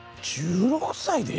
１６歳で？